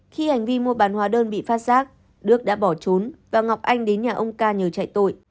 khi hành vi mua bán hóa đơn bị phát giác đức đã bỏ trốn và ngọc anh đến nhà ông ca nhờ chạy tội